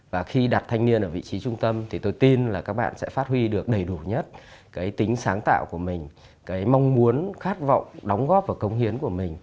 và khi đặt thanh niên ở vị trí trung tâm thì tôi tin là các bạn sẽ phát huy được đầy đủ nhất cái tính sáng tạo của mình cái mong muốn khát vọng đóng góp và công hiến của mình